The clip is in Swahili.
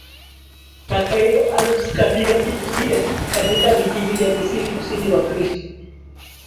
ya Kairo na Aleksandriavilevile katika vijiji vya Misri Kusini Wakristo